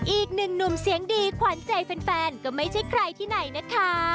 อีกหนึ่งหนุ่มเสียงดีขวัญใจแฟนก็ไม่ใช่ใครที่ไหนนะคะ